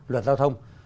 luật đào thông